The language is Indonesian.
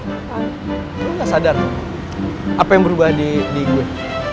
lo gak sadar apa yang berubah di gue